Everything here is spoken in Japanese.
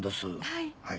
はい。